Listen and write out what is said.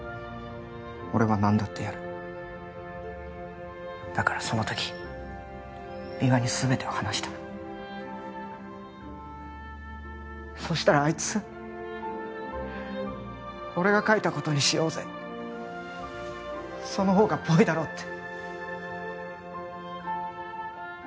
俺は何だってやるだからその時三輪にすべてを話したそしたらあいつ俺が書いたことにしようぜそのほうがぽいだろって